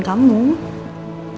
ya kan kamu keluar